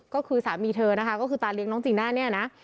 ก็คือสามีเธอนะคะก็คือตาเลี้ยน้องจีน่าเนี่ยนะ